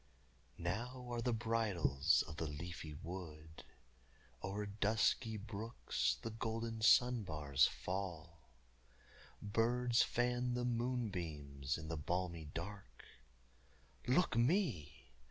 Now are the bridals of the leafy wood, O'er dusky brooks the golden sunbars fall, Birds fan the moonbeams in the balmy dark Look me!